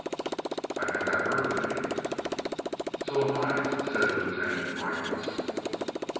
"I think I've heard the name." "So have I," said the lieutenant of rifles.